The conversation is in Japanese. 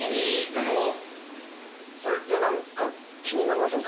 でもそれってなんか気になりませんか？